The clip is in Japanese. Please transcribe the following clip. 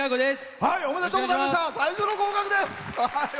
最初の合格です！